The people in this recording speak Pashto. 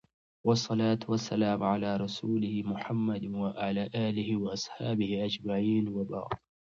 والصلوة والسلام على رسوله محمد وعلى اله واصحابه اجمعين وبعد